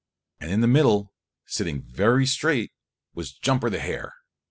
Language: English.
And in the middle, sitting very straight, was Jumper the Hare.